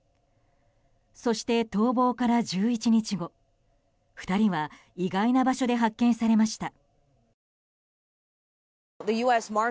そして、逃亡から１１日後２人は意外な場所で発見されました。